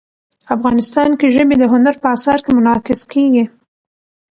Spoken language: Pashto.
افغانستان کې ژبې د هنر په اثار کې منعکس کېږي.